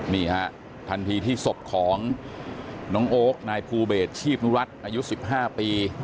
นี่ฮะทันทีที่ศพของน้องโอ๊คนายภูเบสชีพนุรัติอายุ๑๕ปี